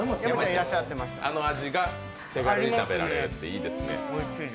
あの味が手軽に食べられるっていいですね。